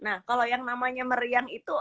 nah kalau yang namanya meriang itu